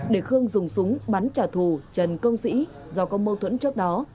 để khương dùng súng bắn trả thù trần công sĩ do có mâu thuẫn trước đó